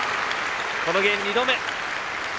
このゲーム、２度目。